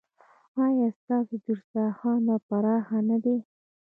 ایا ستاسو دسترخوان پراخ نه دی؟